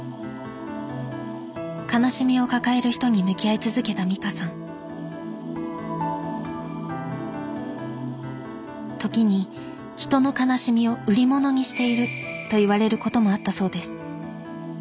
悲しみを抱える人に向き合い続けた美香さん時に「人の悲しみを売り物にしている」と言われることもあったそうです。